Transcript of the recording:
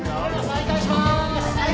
再開します！